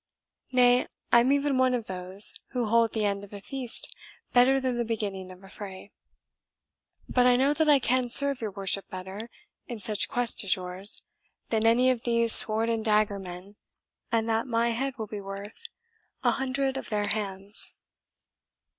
Nay, I am even one of those who hold the end of a feast better than the beginning of a fray. But I know that I can serve your worship better, in such quest as yours, than any of these sword and dagger men, and that my head will be worth an hundred of their hands."